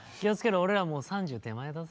俺らもう３０手前だぜ。